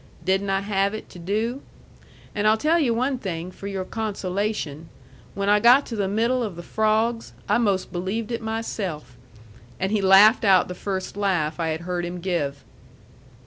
Didn't I have it to do? And I'll tell yu' one thing for your consolation: when I got to the middle of the frawgs I 'most believed it myself." And he laughed out the first laugh I had heard him give.